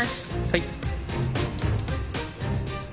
はい。